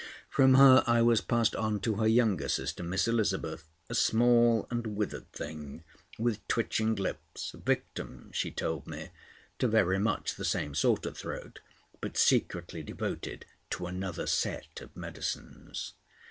From her I was passed on to her younger sister, Miss Elizabeth, a small and withered thing with twitching lips, victim, she told me, to very much the same sort of throat, but secretly devoted to another set of medicines.